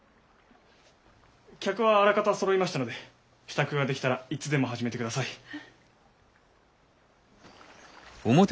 客はあらかたそろいましたので支度ができたらいつでも始めてください。